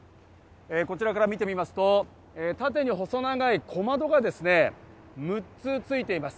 こちらから見てみますと、縦に細長い小窓が６つついています。